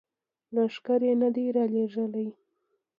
لښکر یې نه دي را لیږلي.